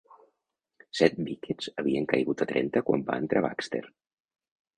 Set wickets havien caigut a trenta quan va entrar Baxter.